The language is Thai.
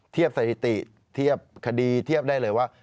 สถิติเทียบคดีเทียบได้เลยว่า